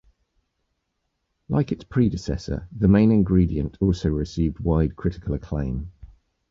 Like its predecessor, "The Main Ingredient" also received wide critical acclaim.